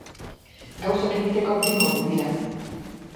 Gauzak egiteko bi modu dira.